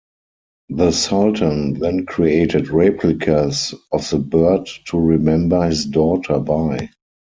The Sultan then created replicas of the bird to remember his daughter by.